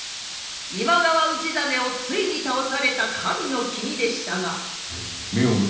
今川氏真をついに倒された神の君でしたが。